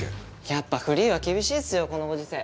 やっぱフリーは厳しいっすよこのご時世。